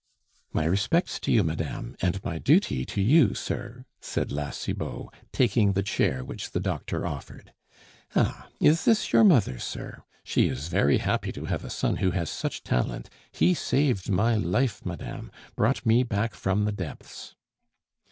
"My respects to you, madame, and my duty to you, sir," said La Cibot, taking the chair which the doctor offered. "Ah! is this your mother, sir? She is very happy to have a son who has such talent; he saved my life, madame, brought me back from the depths."